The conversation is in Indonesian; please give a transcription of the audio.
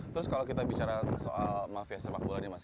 terus kalau kita bicara soal mafia sepak bolanya mas